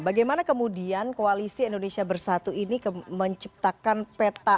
bagaimana kemudian koalisi indonesia bersatu ini menciptakan peta